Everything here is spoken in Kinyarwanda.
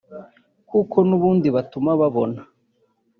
kuko n’ubundi batuma babona